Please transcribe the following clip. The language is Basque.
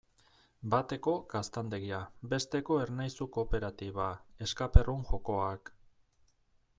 Bateko gaztandegia, besteko Ernaizu kooperatiba, escape-room jokoak...